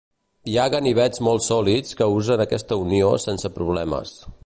Hi ha ganivets molt sòlids que usen aquesta unió sense problemes.